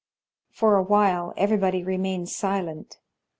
For a while everybody remains silent.